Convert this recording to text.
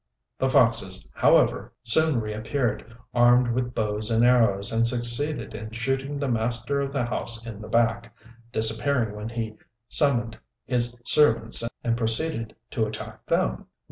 The foxes, however, soon reappeared, armed with bows and arrows, and succeeded in shooting the master of the house in the back, disappearing when he summoned his servants and proceeded to attack them.